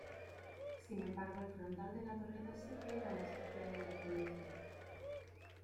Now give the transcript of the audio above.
Sin embargo el frontal de la torreta sí que era una sección de fundición.